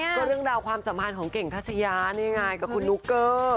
ก็เรื่องราวความสัมพันธ์ของเก่งทัชยานี่ไงกับคุณนุกเกอร์